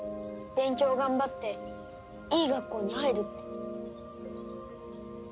勉強を頑張っていい学校に入るって。